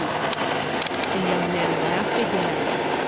The young man laughed again.